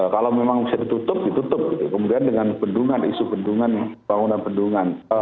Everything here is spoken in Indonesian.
kalau memang bisa ditutup ditutup kemudian dengan bendungan isu bendungan bangunan bendungan